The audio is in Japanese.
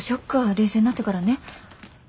冷静になってからね。